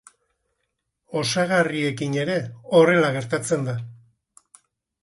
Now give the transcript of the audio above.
Osagarriekin ere horrela gertatzen da.